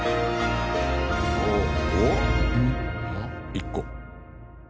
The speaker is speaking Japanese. １個。